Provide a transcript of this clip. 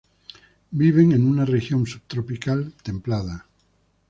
Viven en una región subtropical, templada.